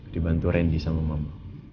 dibantu randy sama mama